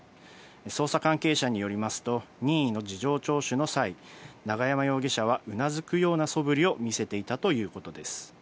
捜査関係者によりますと、任意の事情聴取の際、永山容疑者はうなずくような素振りを見せていたということです。